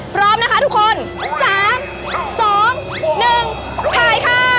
พร้อมนะคะทุกคน๓๒๑ถ่ายค่ะ